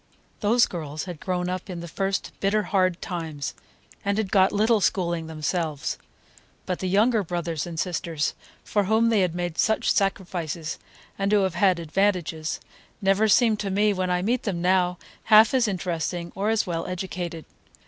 Those girls had grown up in the first bitter hard times, and had got little schooling themselves. But the younger brothers and sisters, for whom they made such sacrifices and who have had "advantages," never seem to me, when I meet them now, half as interesting or as well educated.